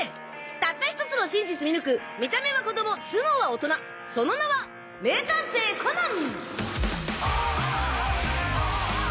たった１つの真実見抜く見た目は子供頭脳は大人その名は名探偵コナン！